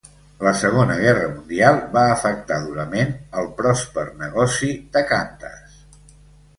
La Segona Guerra Mundial va afectar durament el pròsper negoci de Qantas.